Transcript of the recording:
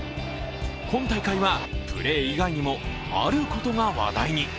今大会は、プレー以外にもあることが話題に。